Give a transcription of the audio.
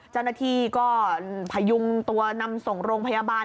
เจ้าหน้าที่ก็พยุงตัวนำส่งโรงพยาบาล